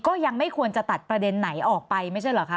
ก็ยังไม่ควรจะตัดประเด็นไหนออกไปไม่ใช่เหรอคะ